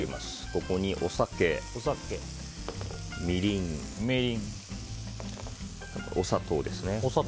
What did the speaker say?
ここにお酒、みりん、お砂糖です。